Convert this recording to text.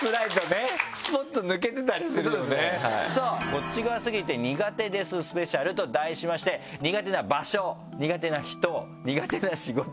「こっち側すぎて苦手ですスペシャル」と題しまして苦手な場所苦手な人苦手な仕事という。